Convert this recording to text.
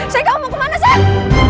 sayang kamu mau kemana sayang